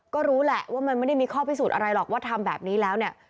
ก็รู้แหละว่ามันไม่ได้มีข้อพิสูจน์อะไรหรอกว่าทำแบบนี้แล้วเนี่ย